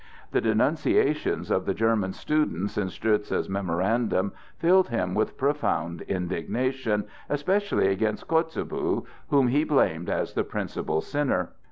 The denunciations of the German students in Stourdza's memorandum filled him with profound indignation, especially against Kotzebue, whom he blamed as the principal sinner.